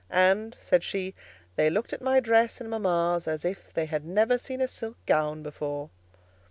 and,' said she, 'they looked at my dress and mama's, as if they had never seen a silk gown before.